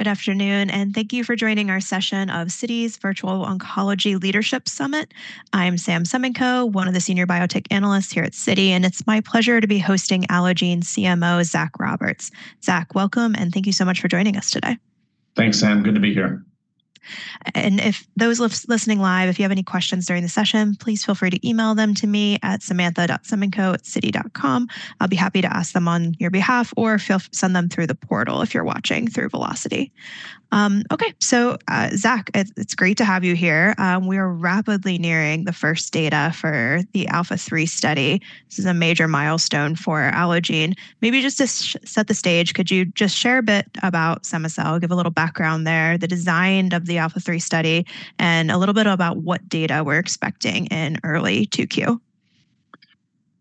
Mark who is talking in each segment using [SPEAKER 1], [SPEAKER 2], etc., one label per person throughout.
[SPEAKER 1] Good afternoon, and thank you for joining our session of Citi's Virtual Oncology Leadership Summit. I'm Sam Semenkow, one of the senior biotech analysts here at Citi, and it's my pleasure to be hosting Allogene CMO, Zach Roberts. Zach, welcome, and thank you so much for joining us today.
[SPEAKER 2] Thanks, Sam. Good to be here.
[SPEAKER 1] And if those listening live, if you have any questions during the session, please feel free to email them to me at samantha.semenkow@citi.com. I'll be happy to ask them on your behalf, or send them through the portal if you're watching through Velocity. Okay. So, Zach, it's great to have you here. We are rapidly nearing the first data for the ALPHA3 study. This is a major milestone for Allogene. Maybe just to set the stage, could you just share a bit about cema-cel, give a little background there, the design of the ALPHA3 study, and a little bit about what data we're expecting in early 2Q?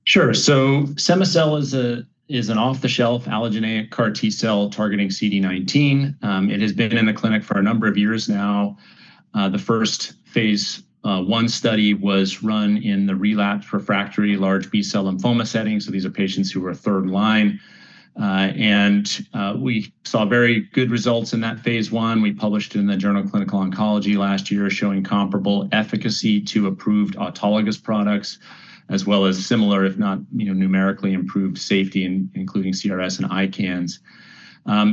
[SPEAKER 2] Sure. So cema-cel is an off-the-shelf allogeneic CAR T cell targeting CD19. It has been in the clinic for a number of years now. The first phase I study was run in the relapsed refractory large B-cell lymphoma setting, so these are patients who are third line. And we saw very good results in that phase I. We published in the Journal of Clinical Oncology last year, showing comparable efficacy to approved autologous products, as well as similar, if not, you know, numerically improved safety, including CRS and ICANS.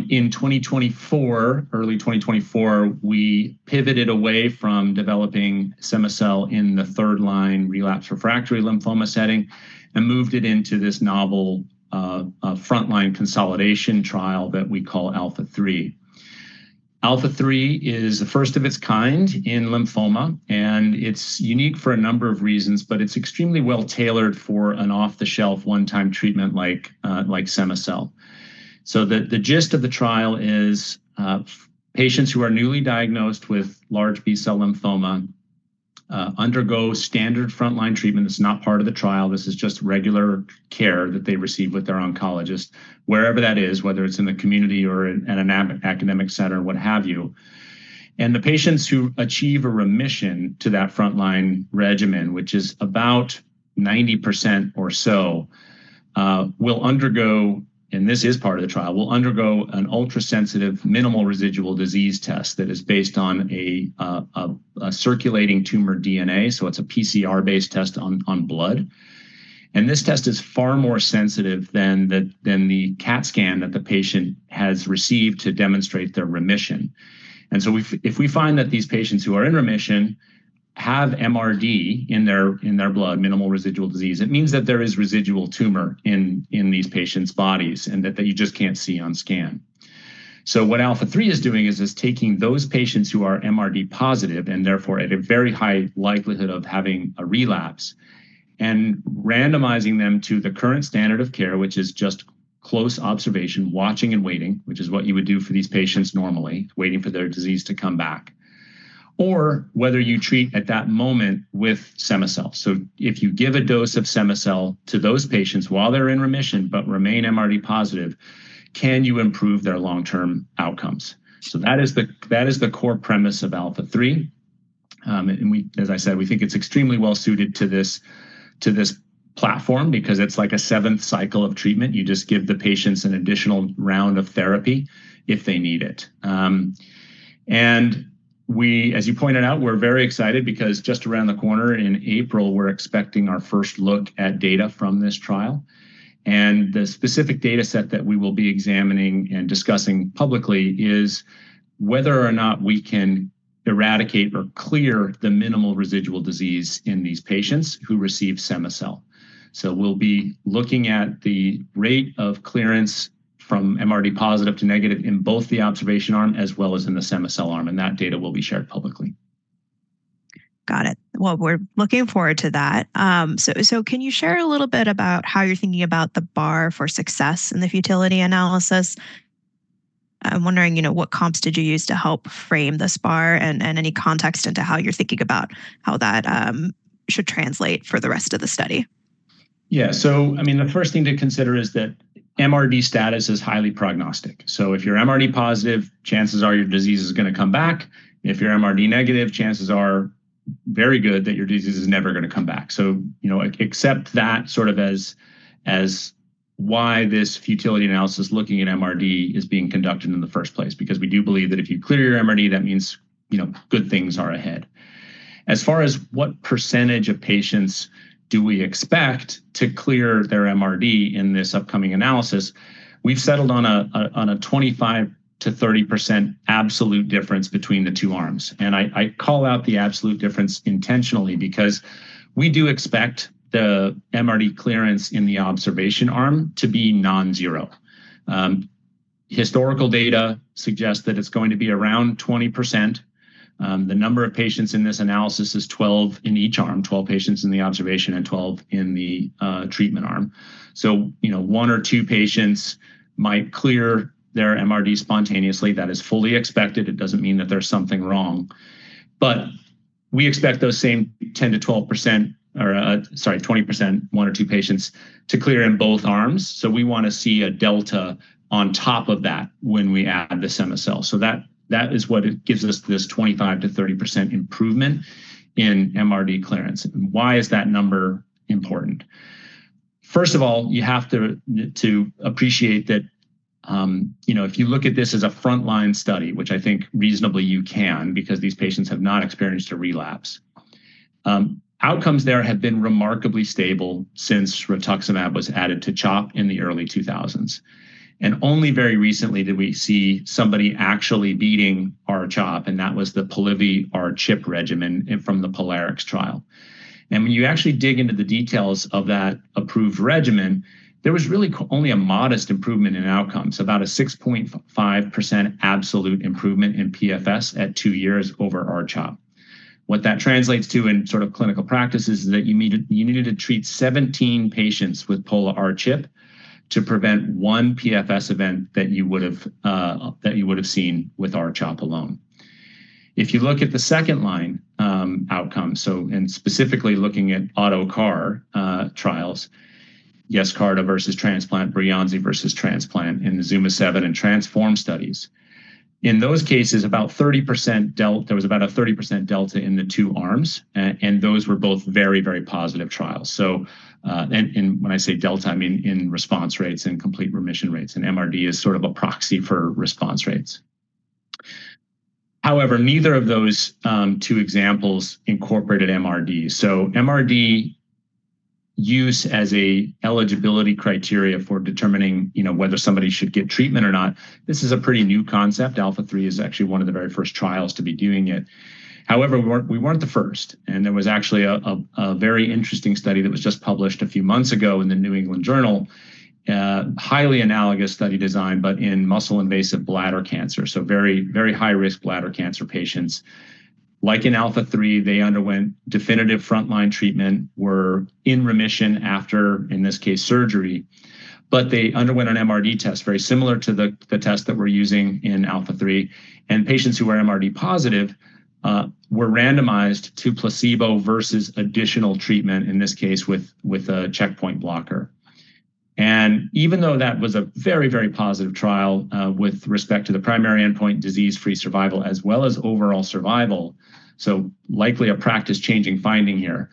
[SPEAKER 2] In 2024, early 2024, we pivoted away from developing cema-cel in the third line relapse refractory lymphoma setting and moved it into this novel frontline consolidation trial that we call ALPHA3. ALPHA3 is the first of its kind in lymphoma, and it's unique for a number of reasons, but it's extremely well-tailored for an off-the-shelf, one-time treatment like, like cema-cel. So the, the gist of the trial is, patients who are newly diagnosed with large B-cell lymphoma, undergo standard frontline treatment. That's not part of the trial. This is just regular care that they receive with their oncologist, wherever that is, whether it's in the community or at an academic center, what have you. And the patients who achieve a remission to that frontline regimen, which is about 90% or so, will undergo, and this is part of the trial, will undergo an ultrasensitive minimal residual disease test that is based on a, a, a circulating tumor DNA, so it's a PCR-based test on, on blood. This test is far more sensitive than the CAT scan that the patient has received to demonstrate their remission. So if we find that these patients who are in remission have MRD in their blood, minimal residual disease, it means that there is residual tumor in these patients' bodies and that you just can't see on scan. So what ALPHA3 is doing is taking those patients who are MRD positive and therefore at a very high likelihood of having a relapse and randomizing them to the current standard of care, which is just close observation, watching and waiting, which is what you would do for these patients normally, waiting for their disease to come back, or whether you treat at that moment with cema-cel. So if you give a dose of cema-cel to those patients while they're in remission but remain MRD positive, can you improve their long-term outcomes? So that is the core premise of ALPHA3. And we, as I said, we think it's extremely well-suited to this platform because it's like a seventh cycle of treatment. You just give the patients an additional round of therapy if they need it. And we, as you pointed out, we're very excited because just around the corner in April, we're expecting our first look at data from this trial. And the specific data set that we will be examining and discussing publicly is whether or not we can eradicate or clear the minimal residual disease in these patients who receive cema-cel. We'll be looking at the rate of clearance from MRD positive to negative in both the observation arm as well as in the cema-cel arm, and that data will be shared publicly.
[SPEAKER 1] Got it. Well, we're looking forward to that. So, can you share a little bit about how you're thinking about the bar for success in the futility analysis? I'm wondering, you know, what comps did you use to help frame this bar and any context into how you're thinking about how that should translate for the rest of the study.
[SPEAKER 2] Yeah. So, I mean, the first thing to consider is that MRD status is highly prognostic. So if you're MRD positive, chances are your disease is gonna come back. If you're MRD negative, chances are very good that your disease is never going to come back. So, you know, accept that sort of as why this futility analysis looking at MRD is being conducted in the first place. Because we do believe that if you clear your MRD, that means, you know, good things are ahead. As far as what percentage of patients do we expect to clear their MRD in this upcoming analysis, we've settled on a 25 to 30% absolute difference between the two arms, and I call out the absolute difference intentionally because we do expect the MRD clearance in the observation arm to be non-zero. Historical data suggests that it's going to be around 20%. The number of patients in this analysis is 12 in each arm, 12 patients in the observation and 12 in the treatment arm. So, you know, one or two patients might clear their MRD spontaneously. That is fully expected. It doesn't mean that there's something wrong, but we expect those same 10 to 12%, or, sorry, 20%, one or two patients, to clear in both arms. So we want to see a delta on top of that when we add the cema-cel. So that, that is what it gives us this 25 to 30% improvement in MRD clearance. Why is that number important?... First of all, you have to appreciate that, you know, if you look at this as a frontline study, which I think reasonably you can, because these patients have not experienced a relapse. Outcomes there have been remarkably stable since rituximab was added to CHOP in the early 2000s. And only very recently did we see somebody actually beating R-CHOP, and that was the Polivy R-CHOP regimen in, from the POLARIX trial. And when you actually dig into the details of that approved regimen, there was really only a modest improvement in outcomes, about a 6.5% absolute improvement in PFS at 2 years over R-CHOP. What that translates to in sort of clinical practice is that you needed to treat 17 patients with Polivy R-CHOP to prevent 1 PFS event that you would have seen with R-CHOP alone. If you look at the second-line outcome, and specifically looking at auto CAR trials, Yescarta versus transplant, Breyanzi versus transplant in the ZUMA-7 and TRANSFORM studies. In those cases, there was about a 30% delta in the two arms, and those were both very, very positive trials. When I say delta, I mean in response rates and complete remission rates, and MRD is sort of a proxy for response rates. However, neither of those two examples incorporated MRD. So MRD use as an eligibility criteria for determining, you know, whether somebody should get treatment or not, this is a pretty new concept. ALPHA3 is actually one of the very first trials to be doing it. However, we weren't the first, and there was actually a very interesting study that was just published a few months ago in the New England Journal. Highly analogous study design, but in muscle-invasive bladder cancer, so very, very high-risk bladder cancer patients. Like in ALPHA3, they underwent definitive frontline treatment, were in remission after, in this case, surgery, but they underwent an MRD test, very similar to the test that we're using in ALPHA3. And patients who were MRD positive were randomized to placebo versus additional treatment, in this case, with a checkpoint blocker. Even though that was a very, very positive trial, with respect to the primary endpoint, disease-free survival, as well as overall survival, so likely a practice-changing finding here.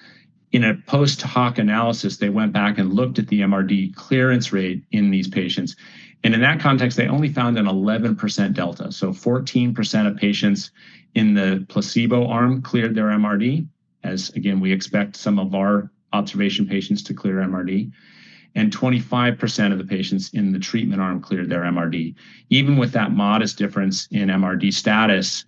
[SPEAKER 2] In a post-hoc analysis, they went back and looked at the MRD clearance rate in these patients, and in that context, they only found an 11% delta. So 14% of patients in the placebo arm cleared their MRD, as again, we expect some of our observation patients to clear MRD, and 25% of the patients in the treatment arm cleared their MRD. Even with that modest difference in MRD status,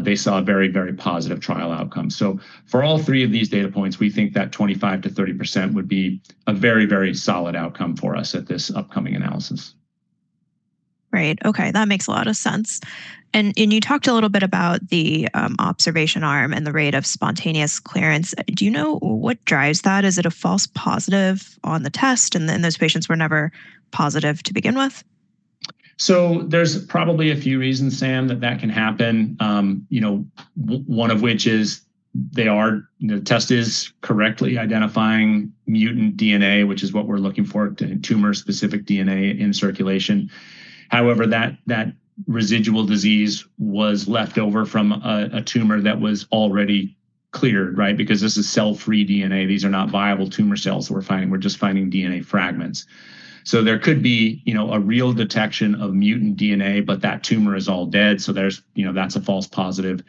[SPEAKER 2] they saw a very, very positive trial outcome. So for all three of these data points, we think that 25 to 30% would be a very, very solid outcome for us at this upcoming analysis.
[SPEAKER 1] Right. Okay, that makes a lot of sense. And you talked a little bit about the observation arm and the rate of spontaneous clearance. Do you know what drives that? Is it a false positive on the test, and then those patients were never positive to begin with?
[SPEAKER 2] So there's probably a few reasons, Sam, that that can happen. You know, one of which is they are. The test is correctly identifying mutant DNA, which is what we're looking for, tumor-specific DNA in circulation. However, that residual disease was left over from a tumor that was already cleared, right? Because this is cell-free DNA. These are not viable tumor cells we're finding, we're just finding DNA fragments. So there could be, you know, a real detection of mutant DNA, but that tumor is all dead, so there's, you know, that's a false positive.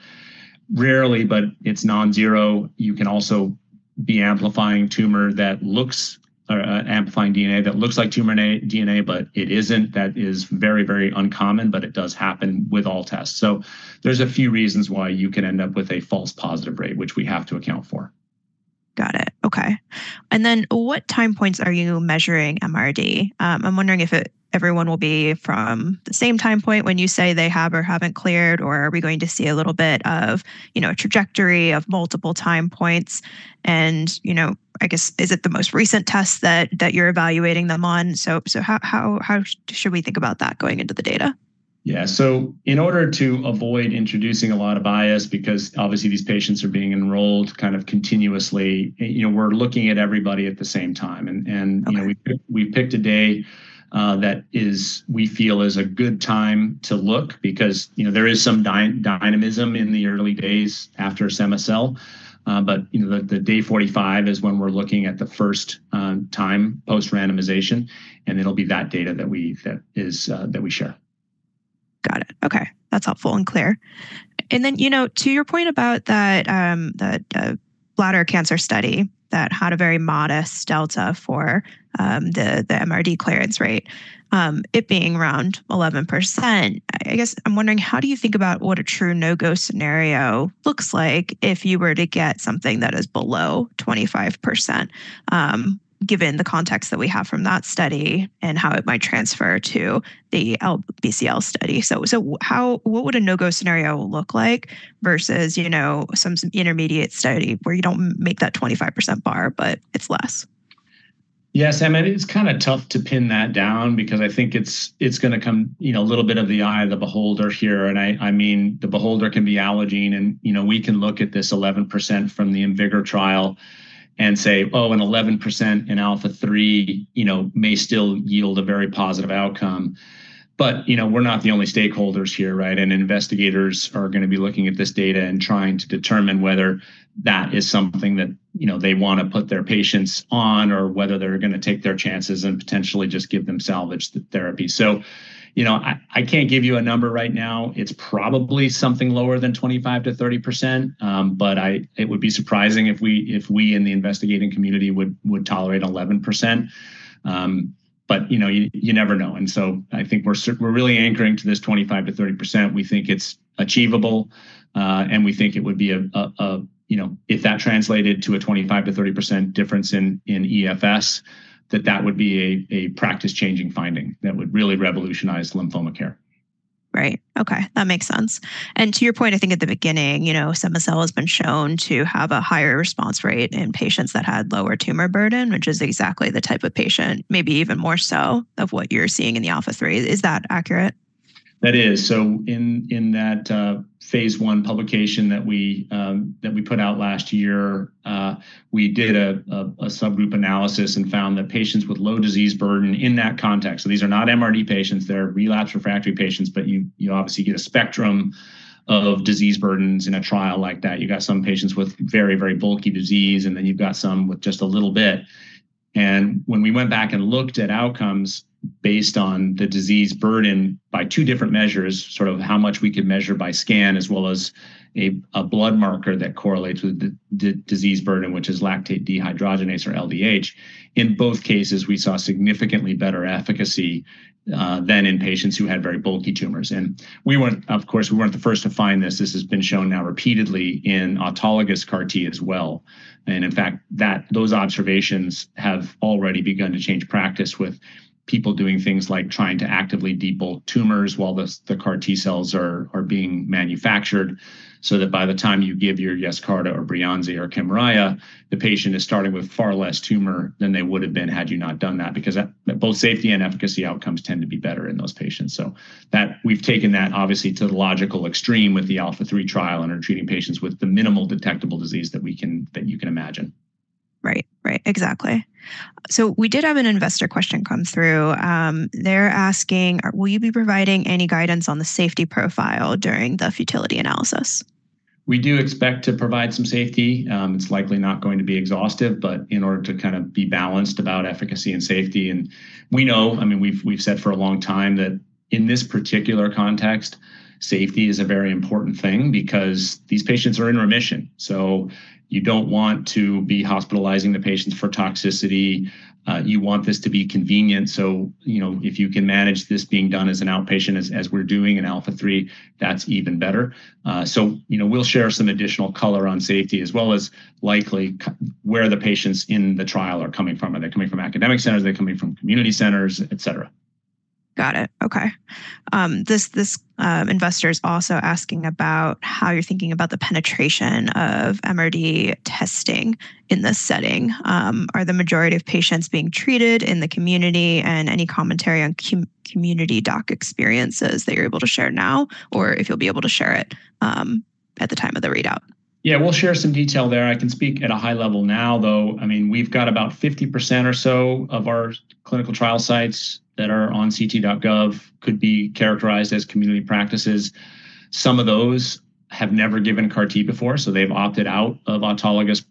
[SPEAKER 2] Rarely, but it's non-zero, you can also be amplifying tumor that looks or, amplifying DNA that looks like tumor DNA, but it isn't. That is very, very uncommon, but it does happen with all tests. There's a few reasons why you can end up with a false positive rate, which we have to account for.
[SPEAKER 1] Got it. Okay. And then what time points are you measuring MRD? I'm wondering if everyone will be from the same time point when you say they have or haven't cleared, or are we going to see a little bit of, you know, a trajectory of multiple time points and, you know, I guess, is it the most recent test that you're evaluating them on? So, how should we think about that going into the data?
[SPEAKER 2] Yeah. So in order to avoid introducing a lot of bias, because obviously these patients are being enrolled kind of continuously, you know, we're looking at everybody at the same time.
[SPEAKER 1] Okay.
[SPEAKER 2] You know, we picked a day that we feel is a good time to look because, you know, there is some dynamism in the early days after cema-cel. But, you know, day 45 is when we're looking at the first time post-randomization, and it'll be that data that we share.
[SPEAKER 1] Got it. Okay. That's helpful and clear. And then, you know, to your point about that, the bladder cancer study that had a very modest delta for the MRD clearance rate, it being around 11%, I guess I'm wondering: how do you think about what a true no-go scenario looks like if you were to get something that is below 25%, given the context that we have from that study and how it might transfer to the LBCL study? So, how, what would a no-go scenario look like versus, you know, some intermediate study where you don't make that 25% bar, but it's less?...
[SPEAKER 2] Yes, and it's kind of tough to pin that down because I think it's, it's gonna come, you know, a little bit of the eye of the beholder here, and I, I mean, the beholder can be Allogene, and, you know, we can look at this 11% from the IMvigor trial and say, "Oh, an 11% in ALPHA3, you know, may still yield a very positive outcome." But, you know, we're not the only stakeholders here, right? And investigators are gonna be looking at this data and trying to determine whether that is something that, you know, they want to put their patients on or whether they're gonna take their chances and potentially just give them salvage therapy. So, you know, I, I can't give you a number right now. It's probably something lower than 25 to 30%. But it would be surprising if we in the investigating community would tolerate 11%. But you know, you never know. And so I think we're really anchoring to this 25 to 30%. We think it's achievable, and we think it would be a, you know, if that translated to a 25 to 30% difference in EFS, that would be a practice-changing finding that would really revolutionize lymphoma care.
[SPEAKER 1] Right. Okay, that makes sense. And to your point, I think at the beginning, you know, cema-cel has been shown to have a higher response rate in patients that had lower tumor burden, which is exactly the type of patient, maybe even more so, of what you're seeing in the ALPHA3. Is that accurate?
[SPEAKER 2] That is. So in that phase 1 publication that we put out last year, we did a subgroup analysis and found that patients with low disease burden in that context, so these are not MRD patients, they're relapse refractory patients, but you obviously get a spectrum of disease burdens in a trial like that. You've got some patients with very, very bulky disease, and then you've got some with just a little bit. And when we went back and looked at outcomes based on the disease burden by two different measures, sort of how much we could measure by scan, as well as a blood marker that correlates with the disease burden, which is lactate dehydrogenase or LDH. In both cases, we saw significantly better efficacy than in patients who had very bulky tumors. And we weren't, of course, we weren't the first to find this. This has been shown now repeatedly in autologous CAR T as well, and in fact, that those observations have already begun to change practice with people doing things like trying to actively debulk tumors while the CAR T cells are being manufactured, so that by the time you give your Yescarta or Breyanzi or Kymriah, the patient is starting with far less tumor than they would have been had you not done that, because that both safety and efficacy outcomes tend to be better in those patients. So that, we've taken that obviously to the logical extreme with the ALPHA3 trial and are treating patients with the minimal detectable disease that we can, that you can imagine.
[SPEAKER 1] Right. Right. Exactly. So we did have an investor question come through. They're asking: "Will you be providing any guidance on the safety profile during the futility analysis?
[SPEAKER 2] We do expect to provide some safety. It's likely not going to be exhaustive, but in order to kind of be balanced about efficacy and safety. And we know I mean, we've, we've said for a long time that in this particular context, safety is a very important thing because these patients are in remission, so you don't want to be hospitalizing the patients for toxicity. You want this to be convenient. So, you know, if you can manage this being done as an outpatient, as, as we're doing in ALPHA3, that's even better. So, you know, we'll share some additional color on safety as well as likely where the patients in the trial are coming from. Are they coming from academic centers? Are they coming from community centers, et cetera?
[SPEAKER 1] Got it. Okay. This investor is also asking about how you're thinking about the penetration of MRD testing in this setting. Are the majority of patients being treated in the community and any commentary on community doc experiences that you're able to share now, or if you'll be able to share it at the time of the readout?
[SPEAKER 2] Yeah, we'll share some detail there. I can speak at a high level now, though. I mean, we've got about 50% or so of our clinical trial sites that are on ct.gov could be characterized as community practices. Some of those have never given CAR T before, so they've opted out of autologous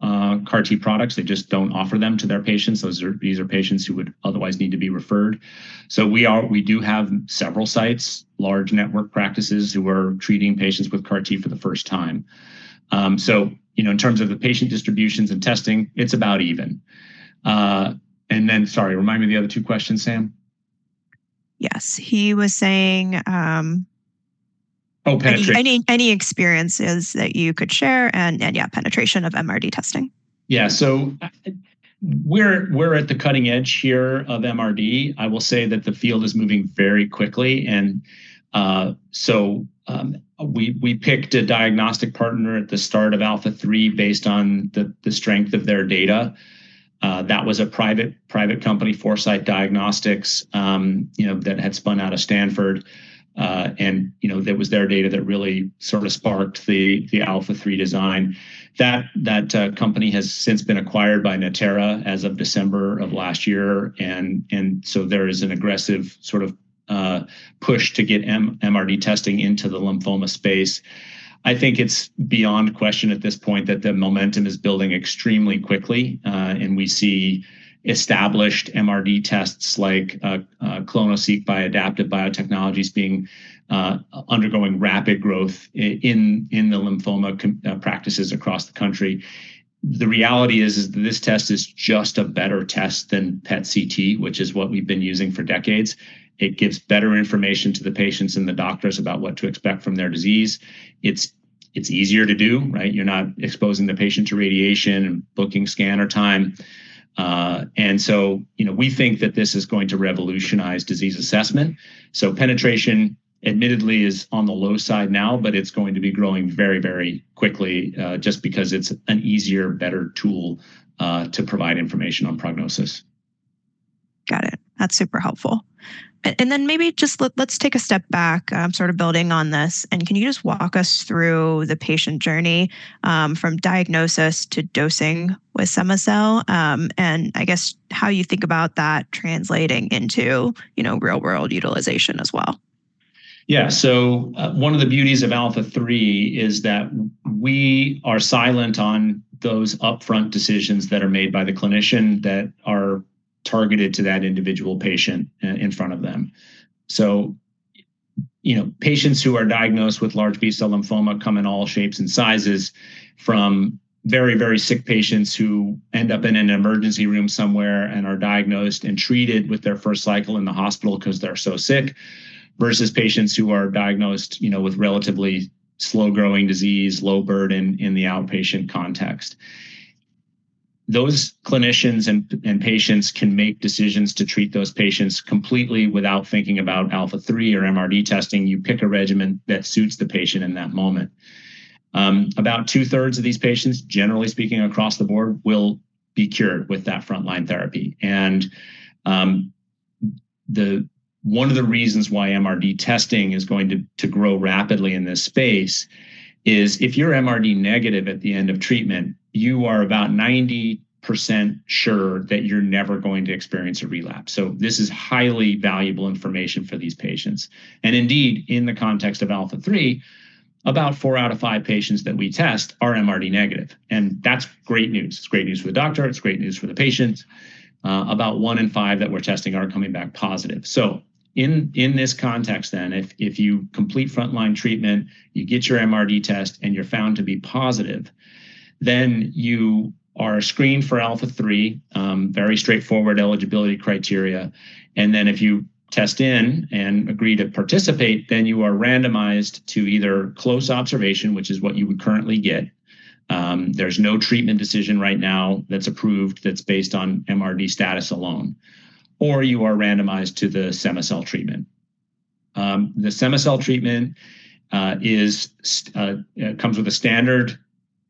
[SPEAKER 2] CAR T products. They just don't offer them to their patients. These are patients who would otherwise need to be referred. So we do have several sites, large network practices, who are treating patients with CAR T for the first time. So, you know, in terms of the patient distributions and testing, it's about even. And then... Sorry, remind me the other two questions, Sam.
[SPEAKER 1] Yes, he was saying.
[SPEAKER 2] Oh, penetration.
[SPEAKER 1] Any experiences that you could share and, yeah, penetration of MRD testing.
[SPEAKER 2] Yeah. So we're at the cutting edge here of MRD. I will say that the field is moving very quickly, and so we picked a diagnostic partner at the start of ALPHA3, based on the strength of their data. That was a private company, Foresight Diagnostics, you know, that had spun out of Stanford. And you know, that was their data that really sort of sparked the ALPHA3 design. That company has since been acquired by Natera as of December of last year, and so there is an aggressive sort of push to get MRD testing into the lymphoma space. I think it's beyond question at this point that the momentum is building extremely quickly, and we see established MRD tests like clonoSEQ by Adaptive Biotechnologies being undergoing rapid growth in the lymphoma practices across the country. The reality is this test is just a better test than PET-CT, which is what we've been using for decades. It gives better information to the patients and the doctors about what to expect from their disease. It's easier to do, right? You're not exposing the patient to radiation and booking scanner time. And so, you know, we think that this is going to revolutionize disease assessment. So penetration, admittedly, is on the low side now, but it's going to be growing very, very quickly, just because it's an easier, better tool to provide information on prognosis....
[SPEAKER 1] Got it. That's super helpful. And then maybe let's take a step back, sort of building on this, and can you just walk us through the patient journey, from diagnosis to dosing with cema-cel, and I guess how you think about that translating into, you know, real-world utilization as well?
[SPEAKER 2] Yeah. So, one of the beauties of ALPHA3 is that we are silent on those upfront decisions that are made by the clinician that are targeted to that individual patient in front of them. So, you know, patients who are diagnosed with large B-cell lymphoma come in all shapes and sizes, from very, very sick patients who end up in an emergency room somewhere and are diagnosed and treated with their first cycle in the hospital 'cause they're so sick, versus patients who are diagnosed, you know, with relatively slow-growing disease, low burden in the outpatient context. Those clinicians and patients can make decisions to treat those patients completely without thinking about ALPHA3 or MRD testing. You pick a regimen that suits the patient in that moment. About two-thirds of these patients, generally speaking, across the board, will be cured with that frontline therapy. One of the reasons why MRD testing is going to grow rapidly in this space is if you're MRD negative at the end of treatment, you are about 90% sure that you're never going to experience a relapse. So this is highly valuable information for these patients. And indeed, in the context of ALPHA3, about four out of five patients that we test are MRD negative, and that's great news. It's great news for the doctor, it's great news for the patient. About one in five that we're testing are coming back positive. So in this context then, if you complete frontline treatment, you get your MRD test, and you're found to be positive, then you are screened for ALPHA3, very straightforward eligibility criteria, and then if you test in and agree to participate, then you are randomized to either close observation, which is what you would currently get. There's no treatment decision right now that's approved, that's based on MRD status alone, or you are randomized to the cema-cel treatment. The cema-cel treatment comes with a standard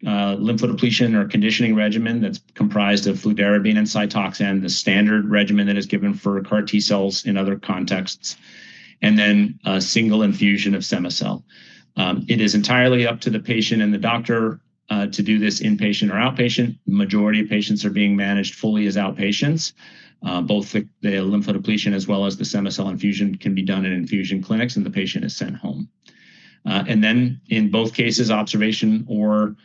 [SPEAKER 2] lymphodepletion or conditioning regimen that's comprised of fludarabine and Cytoxan, the standard regimen that is given for CAR T cells in other contexts, and then a single infusion of cema-cel. It is entirely up to the patient and the doctor to do this inpatient or outpatient. Majority of patients are being managed fully as outpatients. Both the lymphodepletion as well as the cema-cel infusion can be done in infusion clinics, and the patient is sent home. And then in both cases, observation or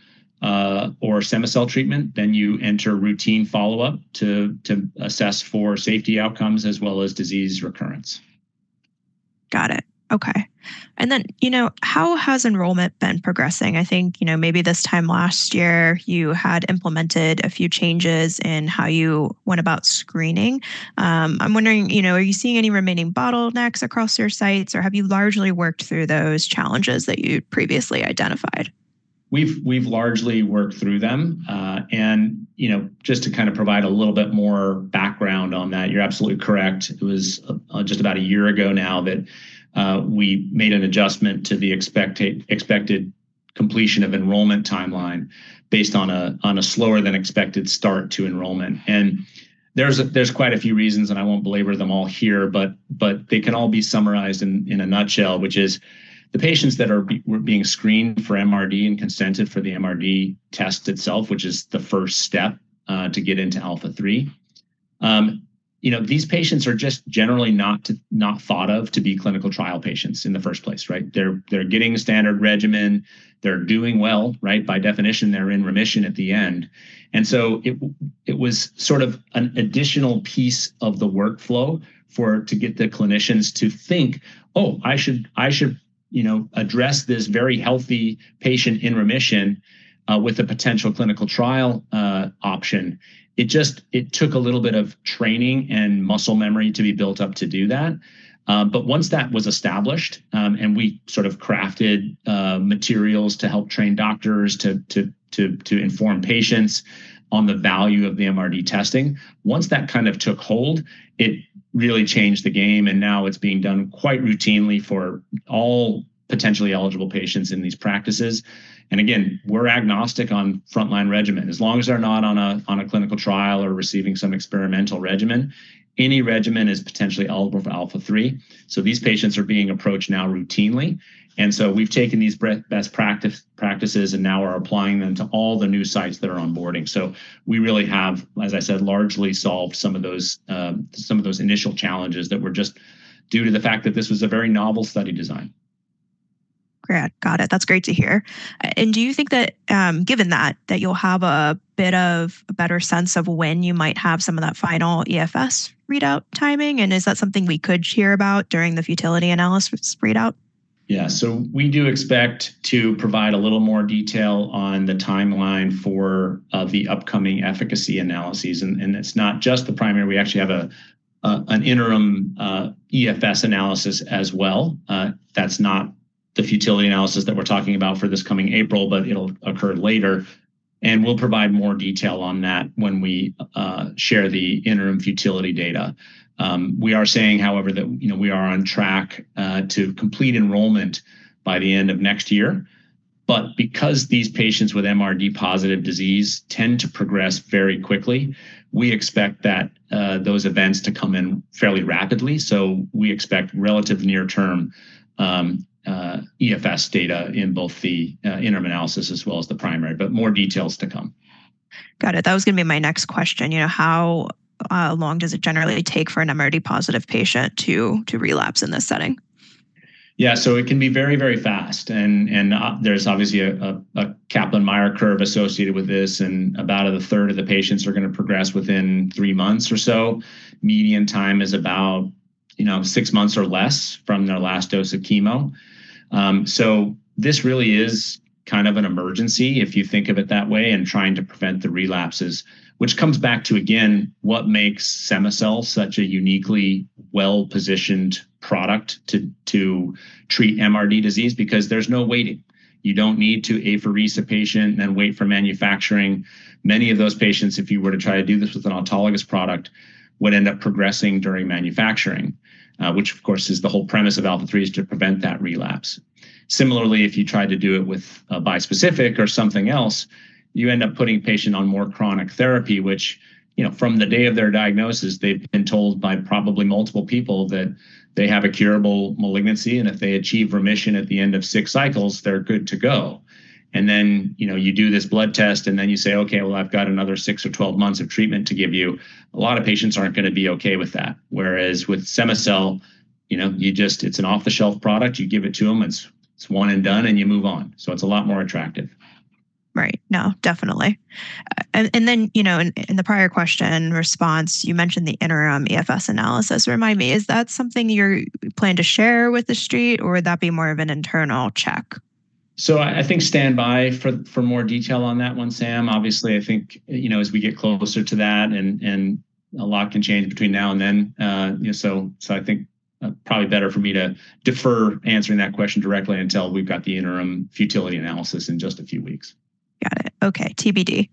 [SPEAKER 2] cema-cel treatment, then you enter routine follow-up to assess for safety outcomes as well as disease recurrence.
[SPEAKER 1] Got it. Okay. And then, you know, how has enrollment been progressing? I think, you know, maybe this time last year, you had implemented a few changes in how you went about screening. I'm wondering, you know, are you seeing any remaining bottlenecks across your sites, or have you largely worked through those challenges that you'd previously identified?
[SPEAKER 2] We've largely worked through them. And, you know, just to kind of provide a little bit more background on that, you're absolutely correct. It was just about a year ago now that we made an adjustment to the expected completion of enrollment timeline based on a slower than expected start to enrollment. And there's quite a few reasons, and I won't belabor them all here, but they can all be summarized in a nutshell, which is the patients that were being screened for MRD and consented for the MRD test itself, which is the first step to get into ALPHA3. You know, these patients are just generally not thought of to be clinical trial patients in the first place, right? They're getting a standard regimen. They're doing well, right? By definition, they're in remission at the end. And so it was sort of an additional piece of the workflow to get the clinicians to think, "Oh, I should, I should, you know, address this very healthy patient in remission with a potential clinical trial option." It just took a little bit of training and muscle memory to be built up to do that. But once that was established, and we sort of crafted materials to help train doctors to inform patients on the value of the MRD testing, once that kind of took hold, it really changed the game, and now it's being done quite routinely for all potentially eligible patients in these practices. Again, we're agnostic on frontline regimen. As long as they're not on a, on a clinical trial or receiving some experimental regimen, any regimen is potentially eligible for ALPHA3. So these patients are being approached now routinely, and so we've taken these best practices and now are applying them to all the new sites that are onboarding. So we really have, as I said, largely solved some of those, some of those initial challenges that were just due to the fact that this was a very novel study design.
[SPEAKER 1] Great, got it. That's great to hear. And do you think that, given that, that you'll have a bit of a better sense of when you might have some of that final EFS readout timing, and is that something we could hear about during the futility analysis readout?
[SPEAKER 2] Yeah. So we do expect to provide a little more detail on the timeline for the upcoming efficacy analyses, and it's not just the primary. We actually have an interim EFS analysis as well. That's not the futility analysis that we're talking about for this coming April, but it'll occur later, and we'll provide more detail on that when we share the interim futility data. We are saying, however, that, you know, we are on track to complete enrollment by the end of next year, but because these patients with MRD-positive disease tend to progress very quickly, we expect that those events to come in fairly rapidly. So we expect relative near-term EFS data in both the interim analysis as well as the primary, but more details to come.
[SPEAKER 1] Got it. That was going to be my next question. You know, how long does it generally take for an MRD positive patient to relapse in this setting?
[SPEAKER 2] Yeah, so it can be very, very fast and, and, there's obviously a Kaplan-Meier curve associated with this, and about a third of the patients are going to progress within three months or so. Median time is about, you know, six months or less from their last dose of chemo. So this really is kind of an emergency if you think of it that way, and trying to prevent the relapses, which comes back to, again, what makes cema-cel such a uniquely well-positioned product to, to treat MRD disease because there's no waiting. You don't need to apheresis a patient, then wait for manufacturing. Many of those patients, if you were to try to do this with an autologous product, would end up progressing during manufacturing, which of course, is the whole premise of ALPHA3 is to prevent that relapse. Similarly, if you tried to do it with a bispecific or something else, you end up putting a patient on more chronic therapy, which, you know, from the day of their diagnosis, they've been told by probably multiple people that they have a curable malignancy, and if they achieve remission at the end of six cycles, they're good to go. And then, you know, you do this blood test, and then you say, "Okay, well, I've got another six or 12 months of treatment to give you." A lot of patients aren't going to be okay with that. Whereas with cema-cel, you know, you just, it's an off-the-shelf product. You give it to them, and it's one and done, and you move on, so it's a lot more attractive.
[SPEAKER 1] Right. No, definitely. And then, you know, in the prior question response, you mentioned the interim EFS analysis. Remind me, is that something you plan to share with the street, or would that be more of an internal check?
[SPEAKER 2] So I think stand by for more detail on that one, Sam. Obviously, I think, you know, as we get closer to that and a lot can change between now and then, you know, so I think probably better for me to defer answering that question directly until we've got the interim futility analysis in just a few weeks.
[SPEAKER 1] Got it. Okay, TBD.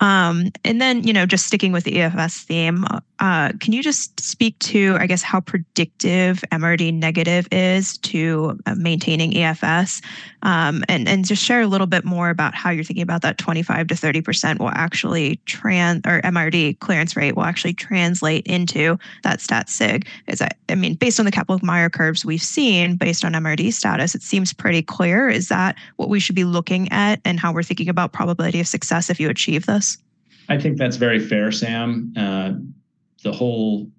[SPEAKER 1] And then, you know, just sticking with the EFS theme, can you just speak to, I guess, how predictive MRD negative is to, maintaining EFS? And, just share a little bit more about how you're thinking about that 25 to 30% will actually or MRD clearance rate will actually translate into that stat sig. Is that... I mean, based on the Kaplan-Meier curves we've seen, based on MRD status, it seems pretty clear. Is that what we should be looking at and how we're thinking about probability of success if you achieve this?
[SPEAKER 2] I think that's very fair, Sam. The whole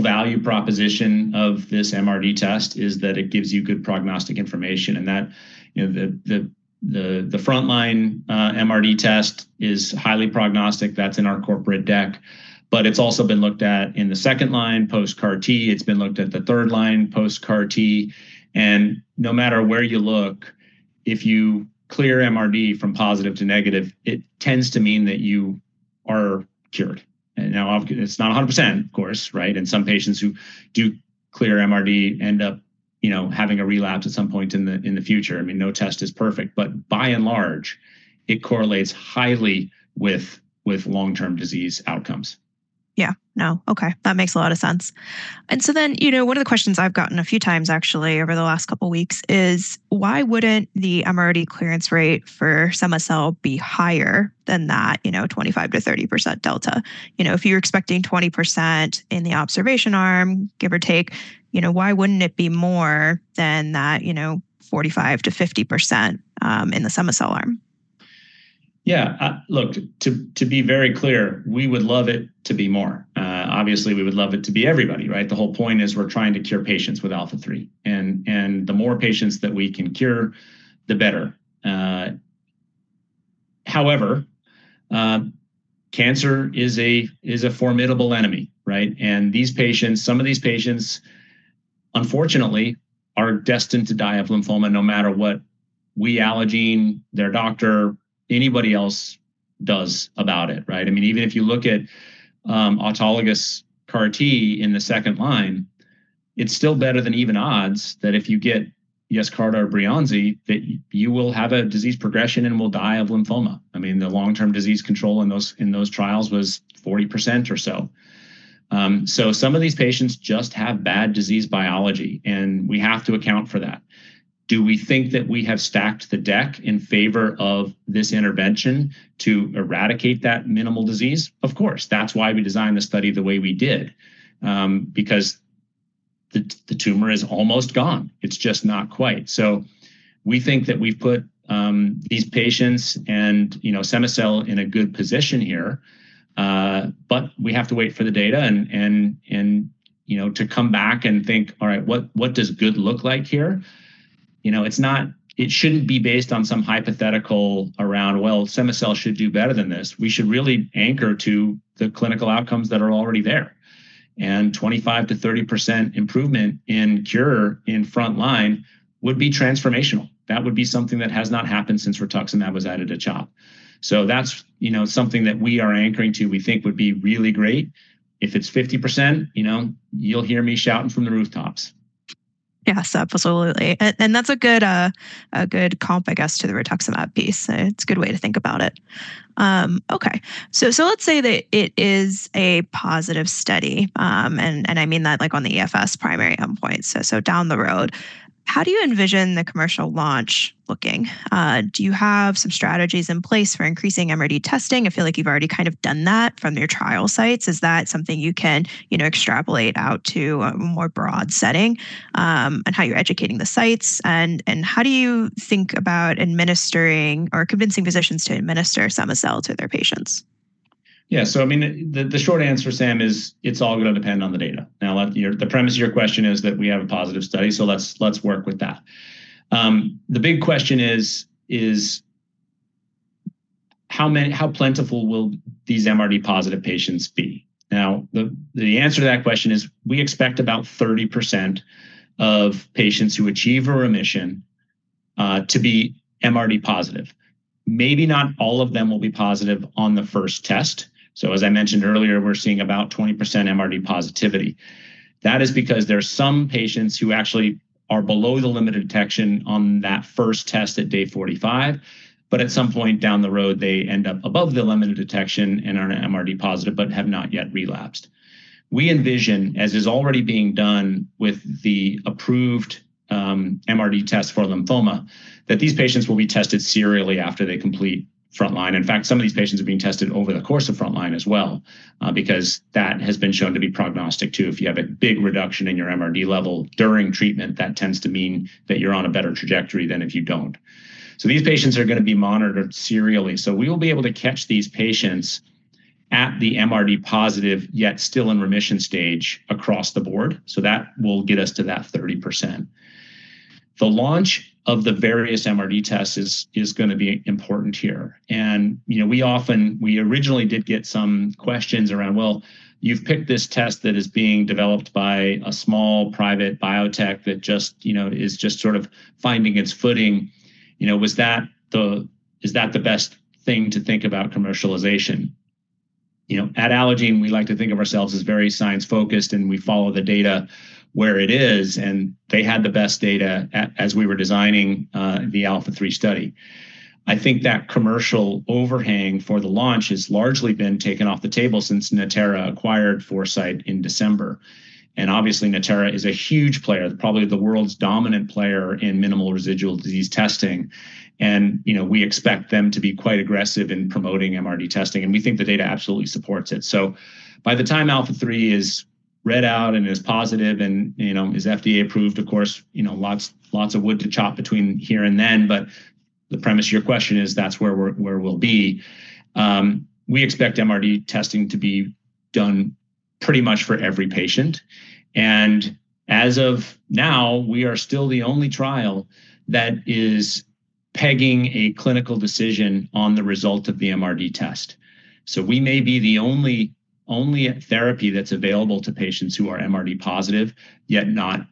[SPEAKER 2] value proposition of this MRD test is that it gives you good prognostic information and that, you know, the frontline MRD test is highly prognostic. That's in our corporate deck, but it's also been looked at in the second line post-CAR T. It's been looked at the third line post-CAR T, and no matter where you look, if you clear MRD from positive to negative, it tends to mean that you are cured, and now obviously, it's not 100%, of course, right? And some patients who do clear MRD end up, you know, having a relapse at some point in the future. I mean, no test is perfect, but by and large, it correlates highly with long-term disease outcomes.
[SPEAKER 1] Yeah. No. Okay, that makes a lot of sense. And so then, you know, one of the questions I've gotten a few times actually over the last couple of weeks is: why wouldn't the MRD clearance rate for cema-cel be higher than that, you know, 25 to 30% delta? You know, if you're expecting 20% in the observation arm, give or take, you know, why wouldn't it be more than that, you know, 45 to 50% in the cema-cel arm?
[SPEAKER 2] Yeah, look, to be very clear, we would love it to be more. Obviously, we would love it to be everybody, right? The whole point is we're trying to cure patients with ALPHA3, and the more patients that we can cure, the better. However, cancer is a formidable enemy, right? And these patients, some of these patients, unfortunately, are destined to die of lymphoma no matter what we Allogene, their doctor, anybody else does about it, right? I mean, even if you look at autologous CAR T in the second line, it's still better than even odds that if you get Yescarta or Breyanzi, that you will have a disease progression and will die of lymphoma. I mean, the long-term disease control in those trials was 40% or so. So some of these patients just have bad disease biology, and we have to account for that. Do we think that we have stacked the deck in favor of this intervention to eradicate that minimal disease? Of course, that's why we designed the study the way we did. Because the tumor is almost gone. It's just not quite. So we think that we've put these patients and, you know, cema-cel in a good position here, but we have to wait for the data and, you know, to come back and think, "All right, what does good look like here?" You know, it's not. It shouldn't be based on some hypothetical around, well, cema-cel should do better than this. We should really anchor to the clinical outcomes that are already there, and 25 to 30% improvement in cure in front line would be transformational. That would be something that has not happened since rituximab was added to CHOP. So that's, you know, something that we are anchoring to, we think would be really great. If it's 50%, you know, you'll hear me shouting from the rooftops.
[SPEAKER 1] Yes, absolutely. And that's a good comp, I guess, to the rituximab piece. It's a good way to think about it. Okay, so let's say that it is a positive study, and I mean that, like, on the EFS primary endpoint, so down the road... How do you envision the commercial launch looking? Do you have some strategies in place for increasing MRD testing? I feel like you've already kind of done that from your trial sites. Is that something you can, you know, extrapolate out to a more broad setting, and how you're educating the sites, and how do you think about administering or convincing physicians to administer cema-cel to their patients?
[SPEAKER 2] Yeah. So I mean, the short answer, Sam, is it's all going to depend on the data. Now, like your, the premise of your question is that we have a positive study, so let's work with that. The big question is how many, how plentiful will these MRD positive patients be? Now, the answer to that question is, we expect about 30% of patients who achieve a remission to be MRD positive. Maybe not all of them will be positive on the first test. So as I mentioned earlier, we're seeing about 20% MRD positivity. That is because there are some patients who actually are below the limit of detection on that first test at day 45, but at some point down the road, they end up above the limit of detection and are MRD positive but have not yet relapsed. We envision, as is already being done with the approved MRD test for lymphoma, that these patients will be tested serially after they complete frontline. In fact, some of these patients are being tested over the course of frontline as well, because that has been shown to be prognostic, too. If you have a big reduction in your MRD level during treatment, that tends to mean that you're on a better trajectory than if you don't. So these patients are going to be monitored serially. So we will be able to catch these patients at the MRD positive, yet still in remission stage across the board, so that will get us to that 30%. The launch of the various MRD tests is going to be important here, and, you know, we originally did get some questions around, "Well, you've picked this test that is being developed by a small private biotech that just, you know, is just sort of finding its footing. You know, is that the best thing to think about commercialization?" You know, at Allogene, we like to think of ourselves as very science-focused, and we follow the data where it is, and they had the best data as we were designing the ALPHA3 study. I think that commercial overhang for the launch has largely been taken off the table since Natera acquired Foresight in December. Obviously, Natera is a huge player, probably the world's dominant player in minimal residual disease testing. And, you know, we expect them to be quite aggressive in promoting MRD testing, and we think the data absolutely supports it. So by the time ALPHA3 is read out and is positive and, you know, is FDA approved, of course, you know, lots, lots of wood to chop between here and then, but the premise of your question is that's where we'll be. We expect MRD testing to be done pretty much for every patient, and as of now, we are still the only trial that is pegging a clinical decision on the result of the MRD test. So we may be the only therapy that's available to patients who are MRD positive, yet not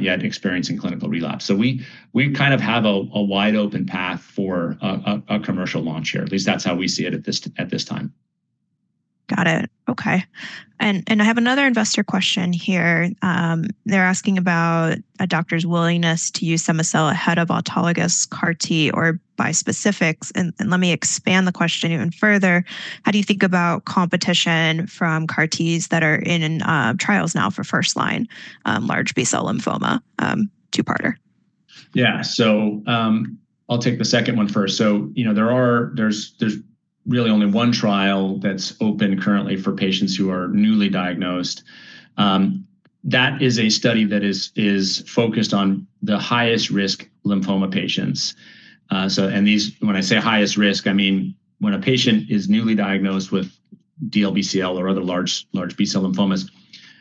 [SPEAKER 2] yet experiencing clinical relapse. So we kind of have a wide-open path for a commercial launch here. At least that's how we see it at this, at this time.
[SPEAKER 1] Got it. Okay, and I have another investor question here. They're asking about a doctor's willingness to use cema-cel ahead of autologous CAR T or bispecifics. And let me expand the question even further. How do you think about competition from CAR Ts that are in trials now for first-line large B-cell lymphoma? Two-parter.
[SPEAKER 2] Yeah. So, I'll take the second one first. So, you know, there are... there's really only one trial that's open currently for patients who are newly diagnosed. That is a study that is focused on the highest-risk lymphoma patients. And these, when I say highest risk, I mean when a patient is newly diagnosed with DLBCL or other large B-cell lymphomas,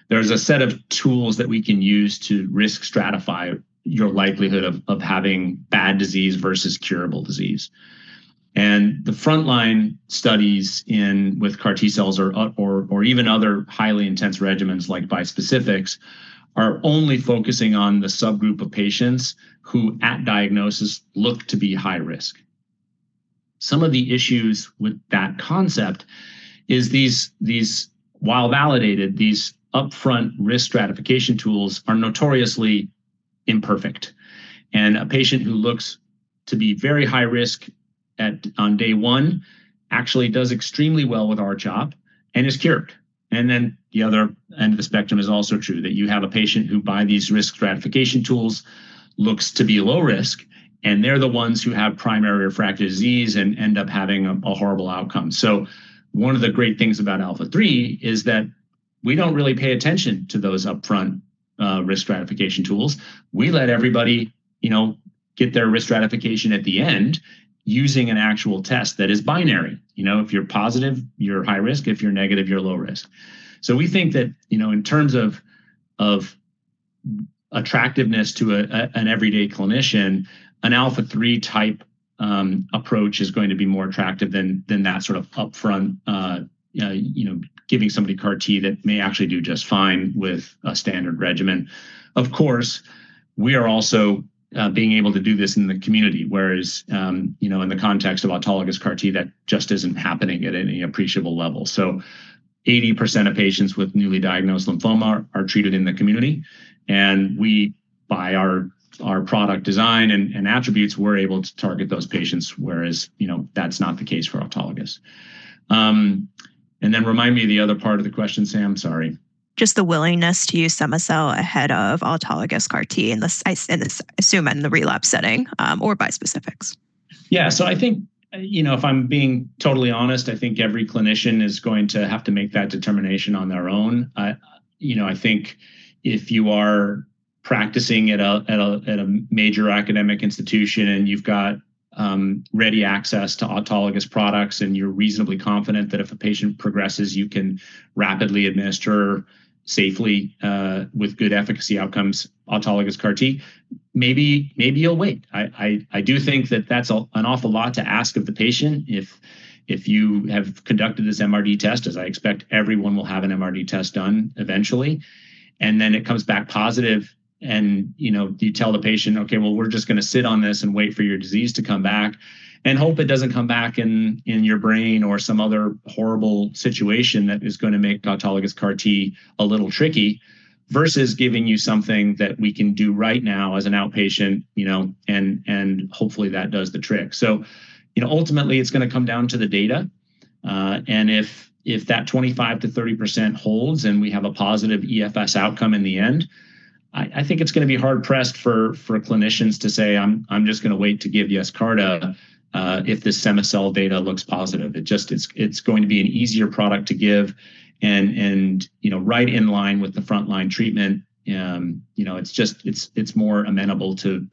[SPEAKER 2] there's a set of tools that we can use to risk stratify your likelihood of having bad disease versus curable disease. And the frontline studies with CAR T-cells or even other highly intense regimens like bispecifics are only focusing on the subgroup of patients who, at diagnosis, look to be high risk. Some of the issues with that concept is these while validated, these upfront risk stratification tools are notoriously imperfect, and a patient who looks to be very high risk at, on day one actually does extremely well with our job and is cured. And then the other end of the spectrum is also true, that you have a patient who, by these risk stratification tools, looks to be low risk, and they're the ones who have primary refractory disease and end up having a horrible outcome. So one of the great things about ALPHA3 is that we don't really pay attention to those upfront risk stratification tools. We let everybody, you know, get their risk stratification at the end using an actual test that is binary. You know, if you're positive, you're high risk. If you're negative, you're low risk. So we think that, you know, in terms of attractiveness to an everyday clinician, an ALPHA3-type approach is going to be more attractive than that sort of upfront, you know, giving somebody CAR T that may actually do just fine with a standard regimen. Of course, we are also being able to do this in the community, whereas, you know, in the context of autologous CAR T, that just isn't happening at any appreciable level. So 80% of patients with newly diagnosed lymphoma are treated in the community, and we, by our product design and attributes, we're able to target those patients, whereas, you know, that's not the case for autologous. And then remind me the other part of the question, Sam. Sorry.
[SPEAKER 1] Just the willingness to use cema-cel ahead of autologous CAR T in the, I assume, in the relapse setting, or bispecifics.
[SPEAKER 2] Yeah. So I think, you know, if I'm being totally honest, I think every clinician is going to have to make that determination on their own. I, you know, I think if you are practicing at a major academic institution, and you've got ready access to autologous products, and you're reasonably confident that if a patient progresses, you can rapidly administer safely with good efficacy outcomes, autologous CAR T, maybe, maybe you'll wait. I do think that that's an awful lot to ask of the patient. If you have conducted this MRD test, as I expect everyone will have an MRD test done eventually, and then it comes back positive, and, you know, you tell the patient, "Okay, well, we're just going to sit on this and wait for your disease to come back, and hope it doesn't come back in your brain or some other horrible situation that is going to make autologous CAR T a little tricky, versus giving you something that we can do right now as an outpatient, you know, and hopefully, that does the trick." So, you know, ultimately, it's going to come down to the data, and if that 25 to 30% holds and we have a positive EFS outcome in the end, I think it's going to be hard-pressed for clinicians to say, "I'm just going to wait to give Yescarta if this cema-cel data looks positive." It just it's, it's going to be an easier product to give and, you know, right in line with the frontline treatment. You know, it's just more amenable to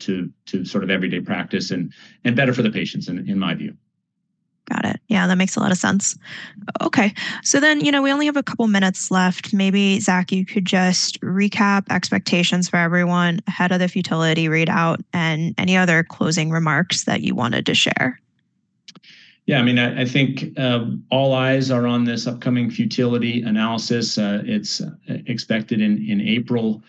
[SPEAKER 2] sort of everyday practice and better for the patients in my view.
[SPEAKER 1] Got it. Yeah, that makes a lot of sense. Okay, so then, you know, we only have a couple of minutes left. Maybe, Zach, you could just recap expectations for everyone ahead of the futility readout and any other closing remarks that you wanted to share.
[SPEAKER 2] Yeah, I mean, I think all eyes are on this upcoming futility analysis. It's expected in April.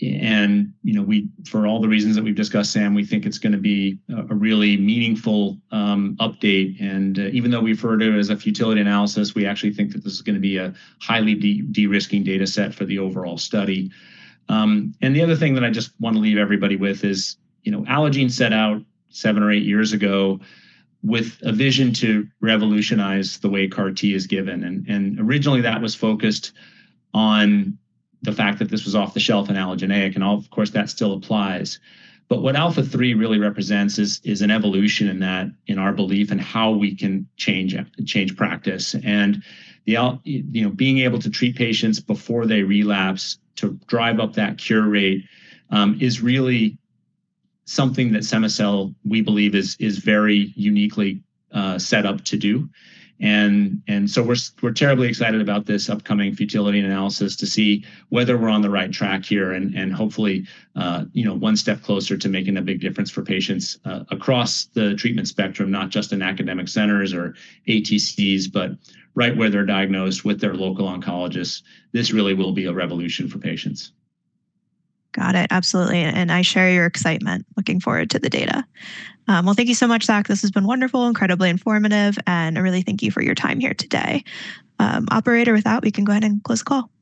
[SPEAKER 2] And, you know, we—for all the reasons that we've discussed, Sam, we think it's going to be a really meaningful update. And even though we refer to it as a futility analysis, we actually think that this is going to be a highly derisking data set for the overall study. And the other thing that I just want to leave everybody with is, you know, Allogene set out seven or eight years ago with a vision to revolutionize the way CAR T is given, and originally, that was focused on the fact that this was off the shelf in allogeneic, and of course, that still applies. But what ALPHA3 really represents is an evolution in that, in our belief in how we can change, change practice. And you know, being able to treat patients before they relapse to drive up that cure rate, is really something that cema-cel, we believe, is very uniquely, set up to do. And so we're, we're terribly excited about this upcoming futility analysis to see whether we're on the right track here and hopefully, you know, one step closer to making a big difference for patients, across the treatment spectrum, not just in academic centers or ATCs, but right where they're diagnosed with their local oncologists. This really will be a revolution for patients.
[SPEAKER 1] Got it. Absolutely, and I share your excitement. Looking forward to the data. Well, thank you so much, Zach. This has been wonderful, incredibly informative, and I really thank you for your time here today. Operator, with that, we can go ahead and close the call.